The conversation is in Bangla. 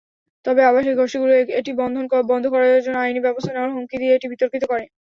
তবে আবাসিক গোষ্ঠীগুলি এটি বন্ধ করার জন্য আইনী ব্যবস্থা নেওয়ার হুমকি দিয়ে এটি বিতর্কিত করে।